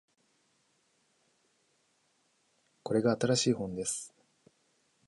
これが新しい本です